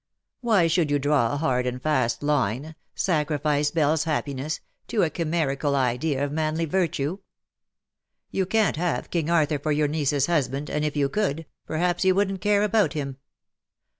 Why should you draw a hard and fast line, sacrifice Belle's happiness to a chimerical idea of manly virtue ? You can't have King Arthur for yonr niece's husband, and if you could, perhaps you wouldn't care about him.